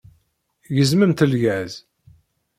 Gezmemt lgaz!